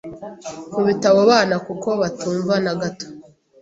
Nkubita abo bana kuko batumva na gato